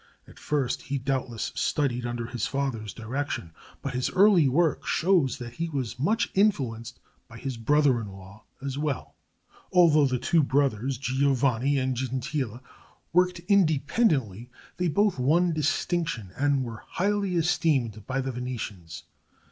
At first he doubtless studied under his father's direction; but his early work shows that he was much influenced by his brother in law as well. Although the two brothers, Giovanni and Gentile, worked independently, they both won distinction and were highly esteemed by the Venetians.